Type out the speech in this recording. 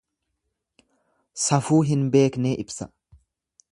Safuu hin beeknee ibsa.